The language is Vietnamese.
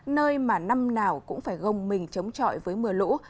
nơi mà năm nào cũng phải gông mình chống chọi với mưa lũ